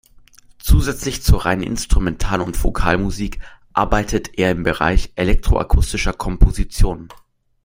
Zusätzlich zur reinen Instrumental- und Vokalmusik arbeitet er im Bereich elektroakustischer Komposition.